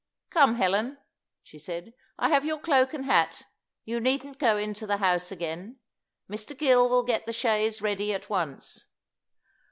"Come, Helen," she said, "I have your cloak and hat; you needn't go into the house again. Mr. Gill will get the chaise ready at once."